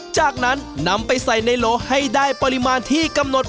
จากนั้นนำไปใส่ในโหลให้ได้ปริมาณที่กำหนด